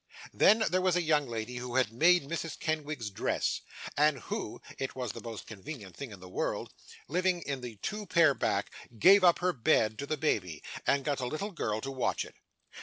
Then, there was a young lady who had made Mrs. Kenwigs's dress, and who it was the most convenient thing in the world living in the two pair back, gave up her bed to the baby, and got a little girl to watch it.